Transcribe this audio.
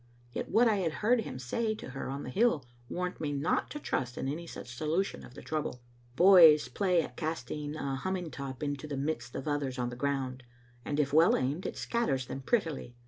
Yet what I had heard him say to her on the hill warned me not to trust in any such solution of the trouble. Boys play at casting a humming top into the midst of others on the ground, and if well aimed it scatters them prettily.